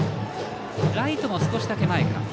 ライトも少しだけ前か。